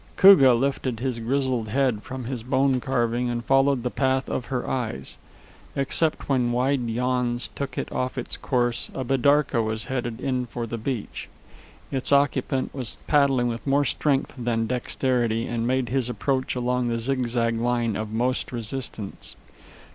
Koogah lifted his grizzled head from his bone carving and followed the path of her eyes. Except when wide yawns took it off its course, a bidarka was heading in for the beach. Its occupant was paddling with more strength than dexterity, and made his approach along the zigzag line of most resistance.